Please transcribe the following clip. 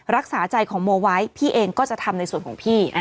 รักษาใจของโมไว้พี่เองก็จะทำในส่วนของพี่